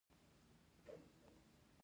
ابا به چی غلا کوله اول به یی د ملا کوله